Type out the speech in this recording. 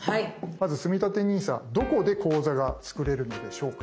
まずつみたてＮＩＳＡどこで口座が作れるのでしょうか？